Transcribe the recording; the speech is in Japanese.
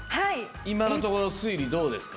今のところ推理どうですか？